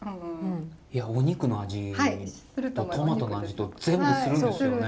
お肉の味とトマトの味と全部するんですよね！